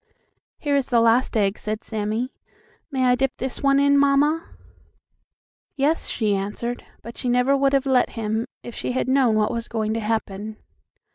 "Here is the last egg," said Sammie. "May I dip this one in, mamma?" "Yes," she answered, but she never would have let him if she had known what was going to happen.